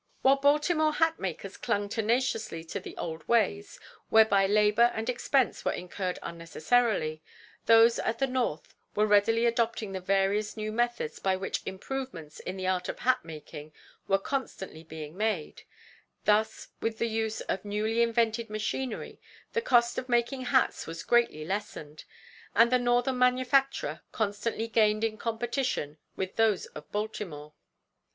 While Baltimore hat makers clung tenaciously to the old ways, whereby labor and expense were incurred unnecessarily, those at the North were readily adopting the various new methods by which improvements in the art of hat making were constantly being made; thus, with the use of newly invented machinery, the cost of making hats was greatly lessened, and the Northern manufacturer constantly gained in competition with those of Baltimore.